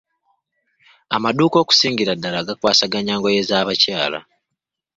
Amadduuka okusingira ddala gakwasaganya ngoye z'abakyala.